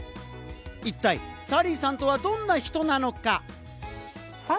いったいサリーさんとはどんな人なのか？